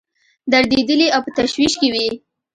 دردېدلي او په تشویش کې وي.